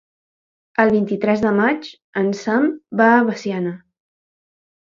El vint-i-tres de maig en Sam va a Veciana.